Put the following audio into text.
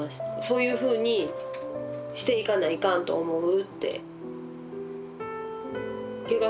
「そういうふうにしていかないかんと思う」って。